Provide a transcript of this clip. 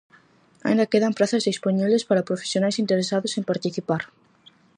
Aínda quedan prazas dispoñibles para profesionais interesados en participar.